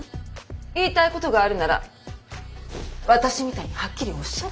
言いたいことがあるなら私みたいにはっきりおっしゃれば？